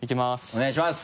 お願いします。